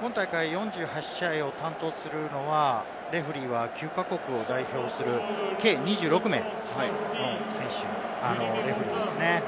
本大会４８試合を担当するのは、レフェリーは９か国を代表する計２６名の選手、レフェリーですね。